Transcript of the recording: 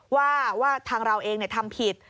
ว่าทางเราเองเนี่ยทำผิด